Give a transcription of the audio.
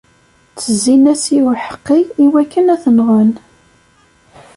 Ttezzin-as i uḥeqqi iwakken ad t-nɣen.